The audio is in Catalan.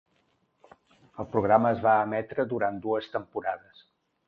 El programa es va emetre durant dues temporades.